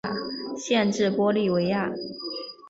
县治玻利维亚。